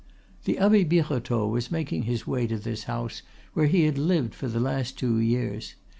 The Abbe Birotteau was making his way to this house, where he had lived for the last two years.